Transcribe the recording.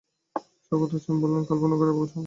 শওকত হোসেন বলেন, কাল পূর্ণাঙ্গ রায় পড়া শেষ হবে।